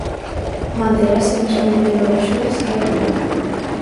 Manterase o mesmo modelo de axudas que hai agora.